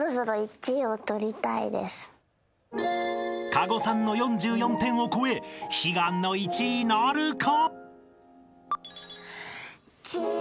［加護さんの４４点を超え悲願の１位なるか？］